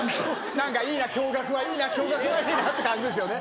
何かいいな共学はいいな共学はいいなって感じですよね。